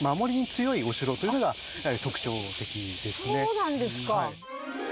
そうなんですか。